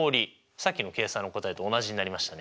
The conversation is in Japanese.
さっきの計算の答えと同じになりましたね。